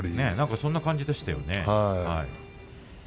そんな感じでしたね。